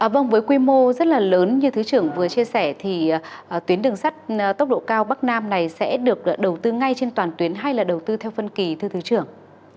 vâng với quy mô rất là lớn như thứ trưởng vừa chia sẻ thì tuyến đường sắt tốc độ cao bắc nam này sẽ được đầu tư ngay trên toàn tuyến hay là đầu tư theo phân kỳ thưa thứ trưởng